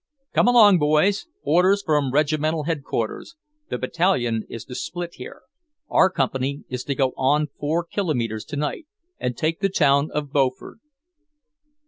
"Come along, boys. Orders from Regimental Headquarters. The Battalion is to split here. Our Company is to go on four kilometers tonight, and take the town of Beaufort."